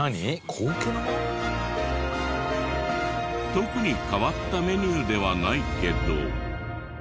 特に変わったメニューではないけど。